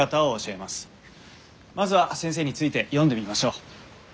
まずは先生について読んでみましょう。